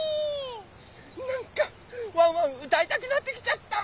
なんかワンワンうたいたくなってきちゃった！